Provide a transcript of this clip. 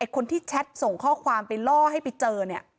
คนที่แชทส่งข้อความไปล่อให้ไปเจอเนี่ย